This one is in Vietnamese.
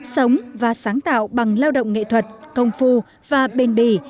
sống và sáng tạo bằng lao động nghệ thuật công phu và bền bỉ